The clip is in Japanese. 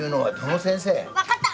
分かった！